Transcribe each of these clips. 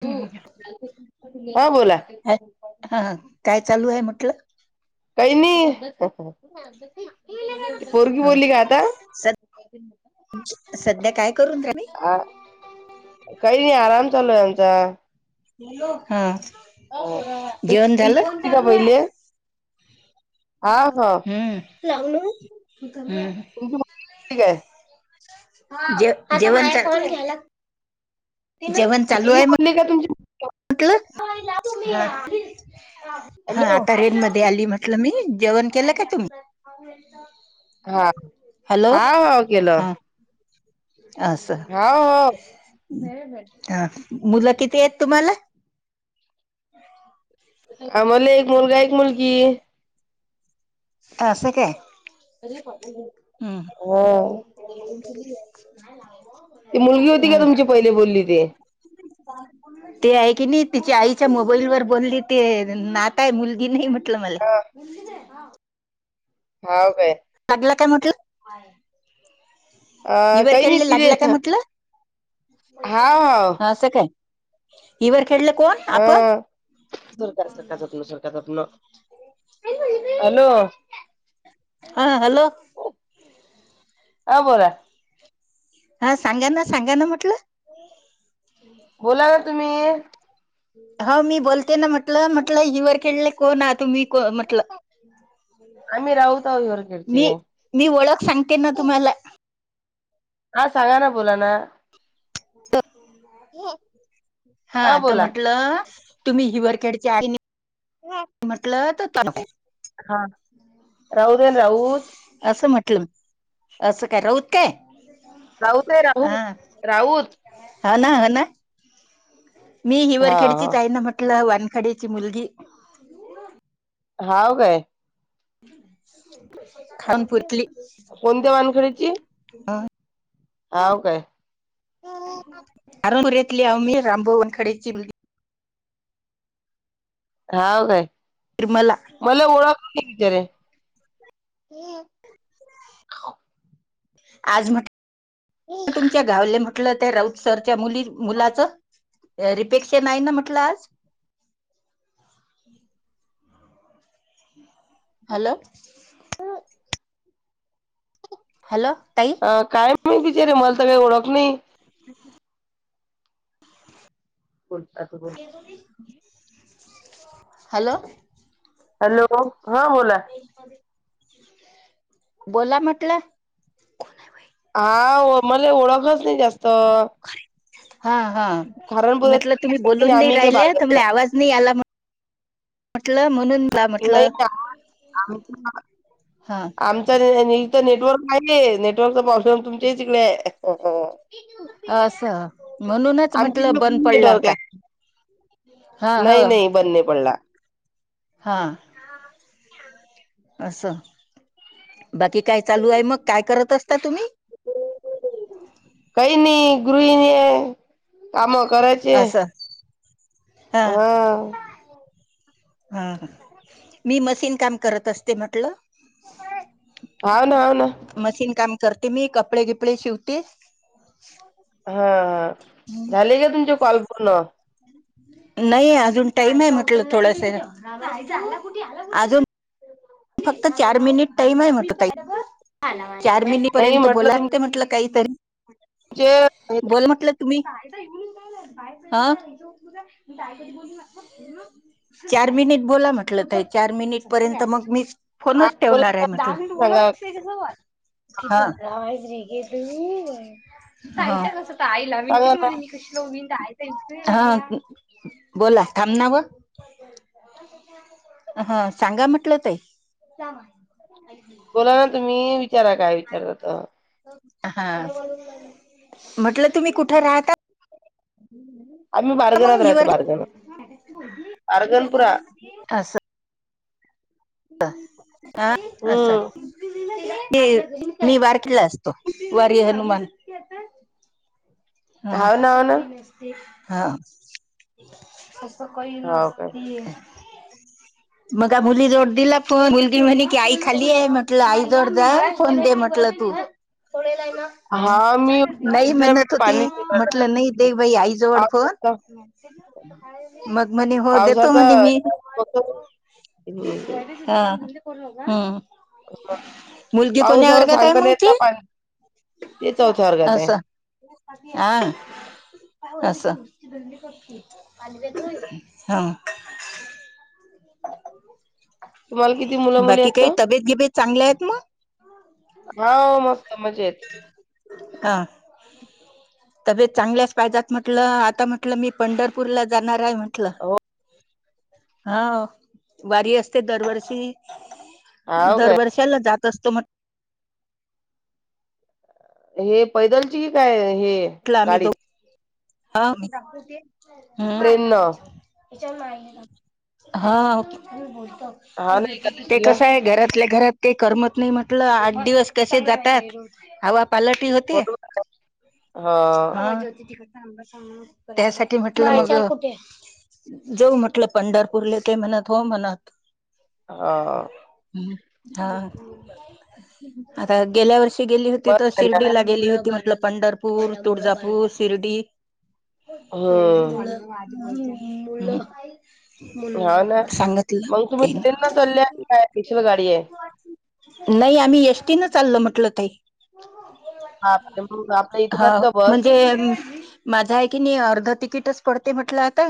तू हा बोला. ह हा काय चालू हाय म्हटलं? काही नाई. ती पोरकी ह बोलली का आता? स सध्या काय करून राहिली अ काय नाई आराम चालू आय आमचा. हॅलो हा. जेवण झालं [unintelligible] का पहिले हा हा हम्म हम्म. तुमची मुलगी [unintelligible] हा जे -जेवंन जेवण चालू आय म निगा तुमची ल, हा हॅलो आता रेन मधी आली म्ह टलं मी जेवण केलं काय तुम्ही? हा हॅलो हाव केलं. हा असं हा हो मुलं किती एत तुम्हाला? [inaudible] आम्हाले एक मुलगा एक मुलगी. अस काय? हम्म ओ. नाय गो बो ती मुलगी होती काय तुमची पहिले बोलले ते? [inaudible] ते हाय की नाई तिच्या आईच्या मोबाईल वर बोलली ते नात आय मुलगी नाय म्हटलं मला. हा हाव काय. लागला काय म्हटलं? अ हिवर काही नाय खेळले तिले लागला काय म्हटलं हाव. असं काय? इवर खेडलं कोण? अ, आपण दूर करा सरका तथन सरका तथन. हा हॅलो. हा बोला. हा सांगा ना सांगा ना म्हटलं. बोला तुम्ही. हो मी बोलते ना म्हटलं म्हटलं इवर खेडले कोण आ तुम्ही को म्हटलं? आम्ही राऊत हाव इवर खेडचे. मी मी ओळख सांगते ना तुम्हाला. हा सांगा ना बोला ना. हा तर म्हंटलं तुम्ही हिवर खेडच्या हात की [unintelligible] म्हटलत [unintelligible] राऊत ए राऊत. असं म्हटलं. असं काय राऊत काय? राऊत ए राऊत राऊत. हना, होना. मी हिवर हा खेडची हा आहेना, म्हटलं वानखडे ची मुलगी. हाव काय. खाऊन पुतली,.. कोणत्या वानखडीची अ हाव काय, हरमुल्यातली आहो मी रामभाऊ वानखडेची मुलगी. हाव काय, निर्मला मला ओळाखती विचारे.. हे आज म्हट [unintelligible] तुमच्या गावले म्हटलं त्या राऊतसरच्या मुली मुलाचं रिपेक्शन आहे ना म्हटलं आज, हॅलो हॅलो ताई अ काय माईत बिचारे, मला तर काय ओळख नाही. बोल आता बोल हॅलो. हॅलो. हा बोला, बोला म्हटलं. हा वो मले ओळखच नाही जास्त, कारे.. हा, हा म्हटलं तुम्ही खारणपुऱ्यात बोलून नाही आम्ही इकडे राहिले, त बारगावला मले आवाज नाही आला म्हण म्हटलं म्हणून, म्हटलं नई ना [unintelligible] हा आमच्या न त्यानी इथ नेटवर्क आहे, नेटवर्कचा प्रॉब्लेम तुमच्याच इकडे आय असं म्हणूनच आमच्या म्हटलं इकडे बंद फुल पडला काय? नाही-नाही बंद नाही पडला. हां असं बाकी काय चालू आहे मग, काय करत असता तुम्ही? [unintelligible] काय नाही गृहिणी आहे काम कराचे, असं हा.. हा हा मी मशीन काम करत असते म्हटलं, हाव ना, हाव ना. मशीन काम करते मी, कपडे गिपडे शिवतेस.. हा... झाले का तुमचे कॉल पूर्ण? नाही अजून टाईम आहे, म्हटलं थोडसं.. अजून फक्त चार मिनिट टाईम आहे म्हटलं ताई. चार मिनि नाही पर्यंत म्हटलं बोला लागते म्हटलं काहीतरी, तुमचे हे- बोल म्हटलं. तुम्ही [unintelligible] अ [unintelligible] चार मिनिट बोला म्हटलं ताई, चार मिनिट पर्यंत मग मी हा, फोनच बोला ठेवणार आहे ना. म्हटलं, दहा मिनिट बोला सांगा लागते. [unintelligible] हां [unintelligible] ताई लावीन सांगा किती ना म्हणे मी कशी लाऊ मी, हा बोला, थांबना व अ ह सांगा म्हटलं ताई. मला तुम्ही विचारा काय विचारता त? हा म्हटलं तुम्ही कुठ राहता? हम् [inaudible] आम्ही मग बारगणत राहतो हिवर बारगना बारगनपुरा [unintelligible] असा हम्म ते मी वारकीला असतो वारी हनुमान श्वेता हा हाव हा ना हाव ना सकाळी नसते हाव काय मग काय मुली जवळ दिला फोन मुलगी म्हणे की आई खाली आहे म्हटलं आई जवड दे फोन दे म्हटलं तू हा मी नाही बघितलं म्हणत मी तर ती पाणी शिंपडलं. म्हंटलं नाही दे बई आईजवड फोन पावसाचा मग म्हणे हो देतो पावसाचा म्हने मी फक्त हम्म हा हम् मुलगी कोन्या पावसावर वर्गात आहे मंग ती? ती चौथ्या वर्गात हाय असं हा असं हा तुम्हाला किती मुलं मुली बाकी आहेत? काही तब्येत गिबेत चांगल्या आहेत मग हा हो मस्त मजेत. हा तब्येत चांगल्याच पाहिजात म्हटलं आता म्हटलं मी पंढरपूरला जाणार आहे म्हण हो हा वारी असते दरवर्षी. हाव काय दरवर्षाला जात असतो म्हंट हे पैदलचीही काय हे ला आम्ही दो गाडीत हा ट्रेन न [unintelligible] हा ओके मी बोलतो हा ना ते एकादशीला कस आहे घरातल्या घरात ते करमत नाही म्हटलं आठ दिवस कसे जातात. हवा पालट ही होते बरोबर हा त्यासाठी म्हटलं बरोबर मग जाऊ म्हटलं पंढरपूरले ते म्हणत हो म्हणत. हा आ आता गेल्या वर्षी गेली होती बर तर आहे ना शिर्डीला गेली होती म्हटलं पंढर पूर, तुळजापूर, शिर्डी हम्म [unintelligible] हा ना सांगितलं मग तुम्ही ते ट्रेन न चालल्या काय स्पेशल गाडी हाय? नाही आम्ही एस टी चाललो म्हटलं ताई आपल्या मग आपल्या हा इथूनच का बस? म्हणजे माझा आहे की नाही अर्ध तिकीटच पडते म्हटलं आता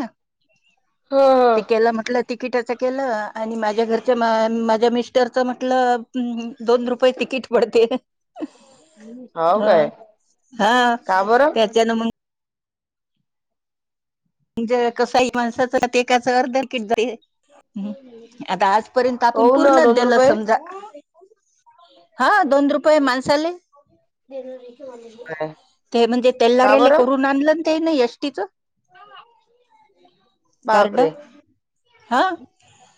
ह ह ते केला म्हटलं ति किटाचं केलं आणि माझ्या घरच्या मा माझ्या मिस्टरचं म्हटलं दोन रुपये तिकीट पडते हाव हा काय हा का बरं त्याच्यान मंग म्हणजे कसही माणसाच ते एकाच अर्ध तिकीट जाईल आता आज पर्यंत आपण काऊन पूर्णचं दोन देलो रुपये समजा हा दोन रुपये माणसाले काय ते म्हणजे का तेल्लारेला बरं करून आणलं ते ना एस टी चं. कार्ड बापरे हा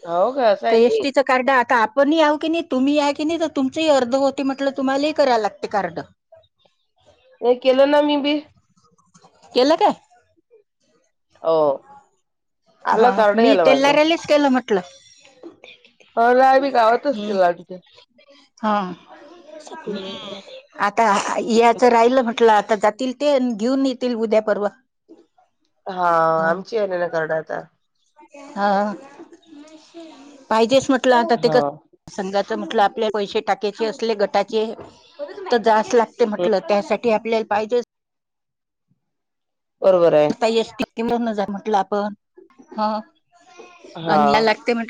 होव का. ते एस आहे टी चं? कार्ड आता आपणही याऊ की नाही तुम्ही या कि नाही तर तुमचेही अर्ध होते म्हटलं तुम्हालाही कराय लागते कार्ड. नाही केलं ना मी बी, केलं का? हो. हा आलं कार्ड मी यालं तेला माझं रलीज केलं म्हटलं, अ नाही मी गावातच हम्म केलं हा. आता याचं राहिलं म्हटलं आता जातील ते घेऊन येतील उद्या पर्व ह. हा आमची आहे ना करडं चा. हा पाहिजेच म्हटलं आता ते हा क संघाचं म्हटलं आपल्या पैसे टाक्याचे असले गटाचे ते जास्त लागतयं म्हटलं त्यासाठी आपल्याला पाहिजे ते. बरोबरआहे. तै एक् तिक्ति मधन जा म्हटलं आपण हा हा आणलाय् लागते [inaudible]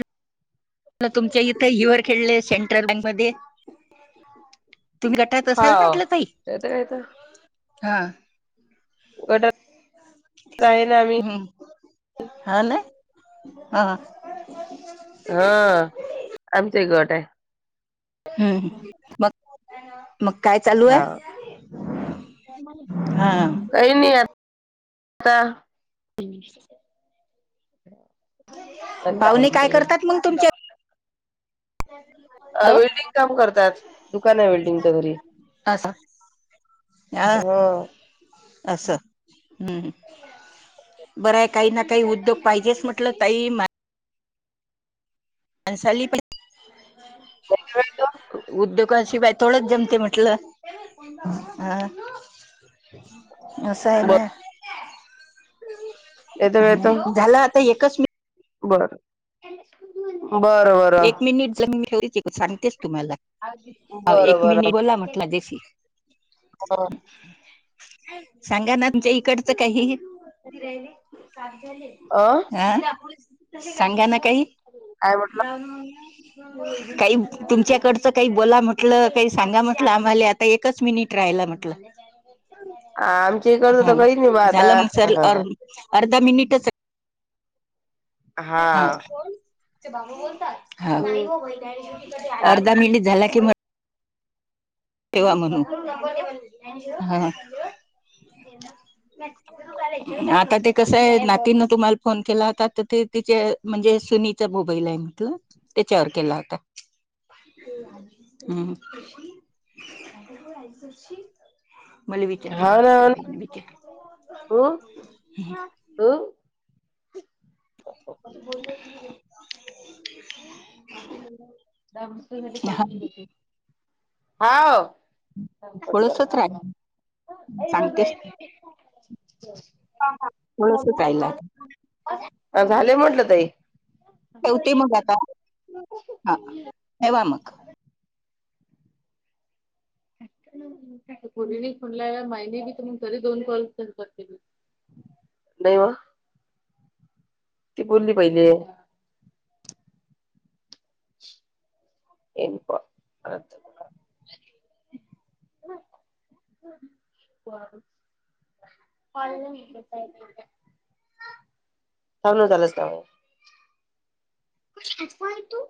म तुमच्या इथे युअर खेळले सेंट्रल बँक मध्ये तुम्ही गटात हा असालं म्हटलं ना ताई? काय तर गटात? आहे ना आम्ही हम्म हा ना हा. हा आमचा गट हे. हम्म हम्म मग मग काय चाल? हा. हा. काही नाही आत्ता [unintelligible] दहा पाहुणे मिनिट काय करतात मग तुमच्याचे? [unintelligible] वेल्डिंग काम करतात दुकान आहे वेल्डिंगच्या घरी. असं. हा. असं हम्म, बरं आहे काही ना काही उद्योग पाहिजेच म्हटलं ताई अनसली पण उद्योगाशिवाय थोडंच जमते म्हटलं हा. असं हाय ह ना येतो ह झाल आत त एकच मीत बरं बरं बरं. एक मिनिट जमीन ठेवची सांगतेस तुम्हाला ह बरं बरं एक मिनिट बरं बोला म्हटलं माझ्याशी? सांगा ना तुमच्या इकडचं काही हि अ हा सांगा ना काही? काय म्हण काही तुमच्याकडचं काही बोला म्ह म्हटलं काही सांगा म्हटलं आम्हाला आता एकच मिनिट राहिला म्हटलं. आमची इकडच हा तर करीत नाही बा झालं मग सर अर आता अर्धा मिनिटच हाय हा कोण ते बाबू बोलतात नाही हम्म होई त्या काय अर्धा मिनिट झाला की म ठेवा म्हणून हा आता ते कसय नाती तुम्हाला फोन केला होता तर ते तिचे म्हणजे सुनी चा मोबाईल आहे ना तो त्याच्यावर केला होता ह्म्म. [inaudible] मला विचारलं हाव होत ना त्या हो ना बईने बी त्या. अ हो [unintelligible] दाबुसा साठी कॉल हा ठेऊन देते. हा ओ. थोडसच राहिल सांगतेस [unintelligible] थोडस काय ला. झाले म्हटलं ताई ठेवते मग आता हा ठेवा मग. कोने फोनला माहिने बी तर मग घरी दोन कॉल करते. हॅलो ती बोलली पहिले. येनप आ परत पाळ फोन बघायलास काय? क अथवाय तू